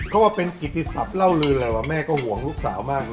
เขาว่าเป็นกิจสับเล่าลืนอะไรว่าแม่ก็ห่วงลูกสาวมาก